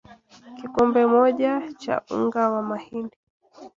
kikombe moja cha unga wa mahindi